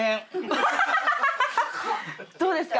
どうですか？